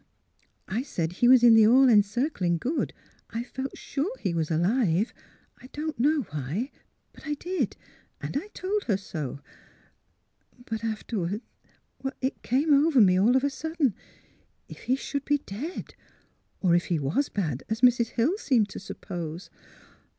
I said he was in the All Encircling Good. I felt sure he was alive. I don't know why; but I did. And I told her so. But afterward — it came over me all of a sudden — if he should be dead ; or if he was bad, as Mrs. Hill seemed to suppose.